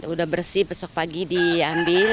udah bersih besok pagi diambil